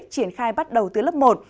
triển khai bắt đầu từ lớp một